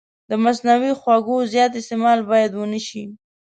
د مصنوعي خوږو زیات استعمال باید ونه شي.